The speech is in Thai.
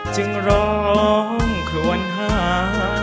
จึงร้องครวนหา